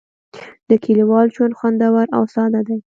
د کلیوال ژوند خوندور او ساده دی.